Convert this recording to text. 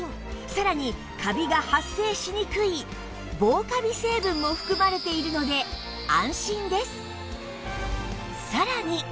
さらにカビが発生しにくい防カビ成分も含まれているので安心です